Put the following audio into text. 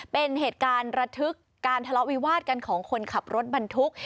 เป็นเหตุการณ์ระทึกการทะเลาะวิวาดกันของคนขับรถบรรทุก